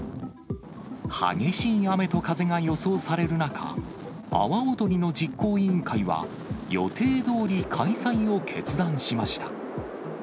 激しい雨と風が予想される中、阿波踊りの実行委員会は、予定どおり開催を決断しました。